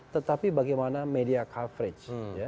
tetapi bagaimana media coverage